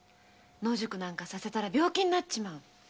野宿なんかさせたら病気になっちまうよ。